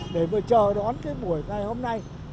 để mà chờ đón cái buổi ngày hôm nay